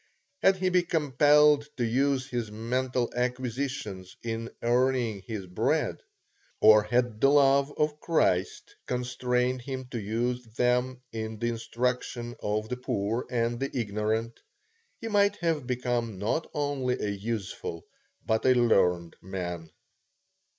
Had he been compelled to use his mental acquisitions in earning his bread, or had the love of Christ constrained him to use them in the instruction of the poor and the ignorant, he might have become not only a useful, but a learned man.